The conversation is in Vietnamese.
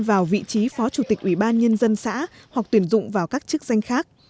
vào vị trí phó chủ tịch ủy ban nhân dân xã hoặc tuyển dụng vào các chức danh khác